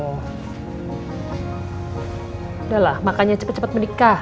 udah lah makanya cepet cepet menikah